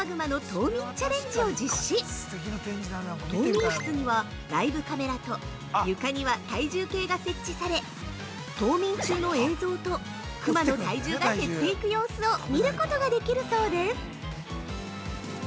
冬眠室にはライブカメラと床には体重計が設置され冬眠中の映像とクマの体重が減っていく様子を見ることができるそうです。